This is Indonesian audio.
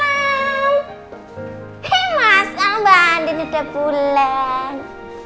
hei mas mbak andin udah pulang